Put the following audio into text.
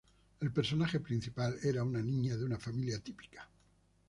El personaje principal era una niña de una familia típica.